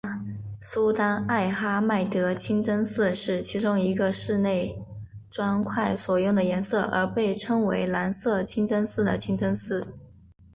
苏丹艾哈迈德清真寺是其中一个因室内砖块所用的颜色而被称为蓝色清真寺的清真寺。